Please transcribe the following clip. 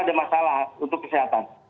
ada masalah untuk kesehatan